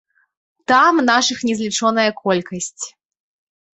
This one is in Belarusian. Там нашых незлічоная колькасць.